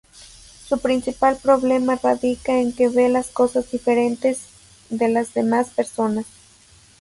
Su principal problema radica en que ve las cosas diferentes de las demás personas.